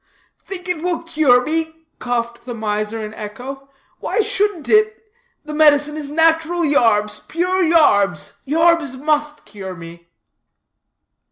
"Think it will cure me?" coughed the miser in echo; "why shouldn't it? The medicine is nat'ral yarbs, pure yarbs; yarbs must cure me."